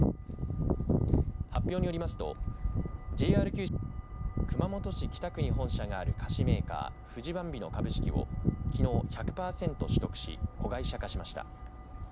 発表によりますとＪＲ九州は熊本市北区に本社がある菓子メーカーフジバンビの株式をきのう１００パーセント取得し子会社化しました。